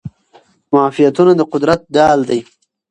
معافیتونه د قدرت ډال دي.